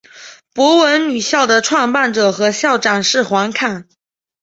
博文女校的创办者和校长是黄侃。